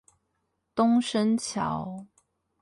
東昇橋